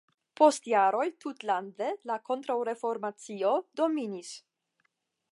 Post jaroj tutlande la kontraŭreformacio dominis.